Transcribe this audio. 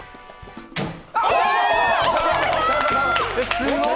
すごーい！